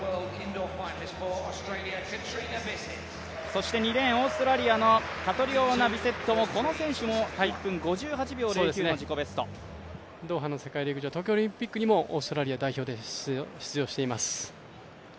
そして２レーン、オーストラリアのカトリオーナ・ビセット、この選手も１分５８秒０９の自己ベストドーハの世界陸上、東京オリンピックにもオーストラリア代表で出場しています。